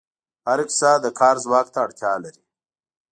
هر اقتصاد د کار ځواک ته اړتیا لري.